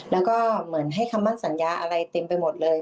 แล้วก็เหมือนให้คำมั่นสัญญาอะไรเต็มไปหมดเลย